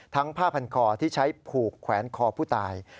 ผ้าพันคอที่ใช้ผูกแขวนคอผู้ตาย